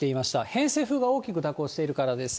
偏西風が大きく蛇行しているからです。